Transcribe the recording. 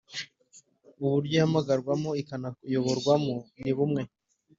Uburyo ihamagazwamo ikanayoborwamo ni bumwe